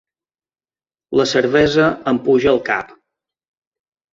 La cervesa em puja al cap.